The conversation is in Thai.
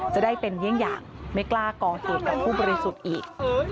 ไม่อยากไม่กล้ากองเจ็บกับผู้บริสุทธิ์อีก